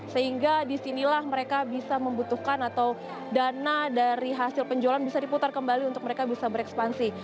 sehingga disinilah mereka bisa membutuhkan atau dana dari hasil penjualan bisa diputar kembali untuk mereka bisa berekspansi